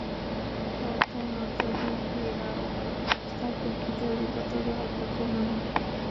প্রথম অর্থটি ফিরআউনের অবস্থার প্রেক্ষিতে অধিকতর গ্রহণযোগ্য মনে হয়।